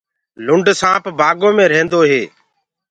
لُنڊ سآنپ بآگو مي رهيندو هي۔